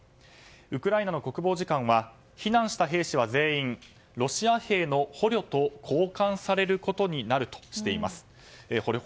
ウクライナの国防次官は避難した兵士は全員ロシア兵の捕虜と交換されることになるとしています。